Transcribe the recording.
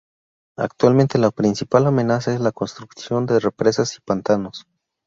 Actualmente, la principal amenaza es la construcción de represas y pantanos.